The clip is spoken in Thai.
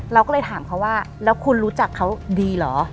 เราก็เลยถามเขาว่าแล้วคุณรู้จักเขาดีเหรอ